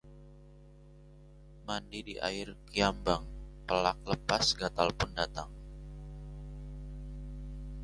Mandi di air kiambang, pelak lepas gatalpun datang